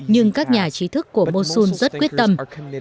nhưng các nhà trí thức của mosun rất quyết tâm